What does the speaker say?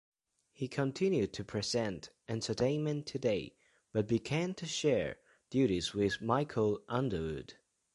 He continued to present "Entertainment Today", but began to share duties with Michael Underwood.